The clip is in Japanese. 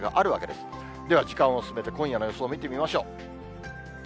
では時間を進めて、今夜の予想を見てみましょう。